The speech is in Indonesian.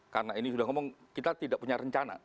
karena ini sudah ngomong kita tidak punya rencana